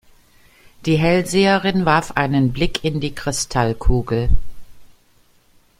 Die Hellseherin warf einen Blick in die Kristallkugel.